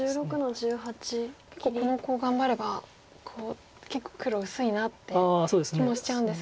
結構このコウ頑張れば結構黒薄いなって気もしちゃうんですが。